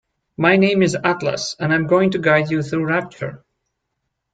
My name is Atlas and I'm going to guide you through Rapture.